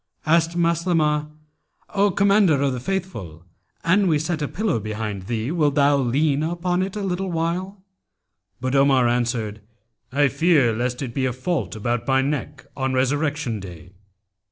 Asked Maslamah, 'O Commander of the Faithful, an we set a pillow behind thee, wilt thou lean on it a little while?' But Omar answered, 'I fear lest it be a fault about my neck on Resurrection Day.'